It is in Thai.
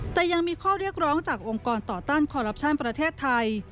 แต่ยังมีข้อเรียกร้องจากองค์กรต่อต้านคอลลับชั่นประเทศไทย